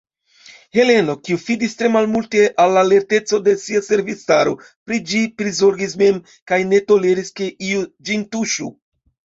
Heleno, kiu fidis tre malmulte al la lerteco de sia servistaro, pri ĝi prizorgis mem, kaj ne toleris, ke iu ĝin tuŝu.